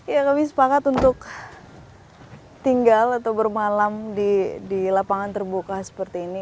ya kami sepakat untuk tinggal atau bermalam di lapangan terbuka seperti ini